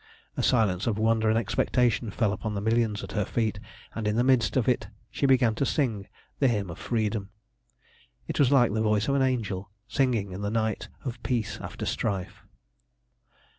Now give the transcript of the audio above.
A silence of wonder and expectation fell upon the millions at her feet, and in the midst of it she began to sing the Hymn of Freedom. It was like the voice of an angel singing in the night of peace after strife.